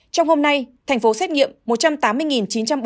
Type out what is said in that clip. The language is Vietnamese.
trong hôm nay tp hcm xét nghiệm một trăm tám mươi chín trăm năm mươi